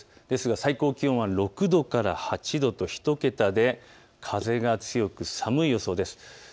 ですが最高気温は６度から８度と１桁で風が強く寒い予想です。